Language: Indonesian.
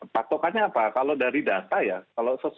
patokannya apa kalau dari data ya